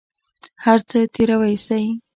هر څه تېروى سي.